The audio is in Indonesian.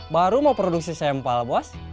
baru mau produksi sampel bos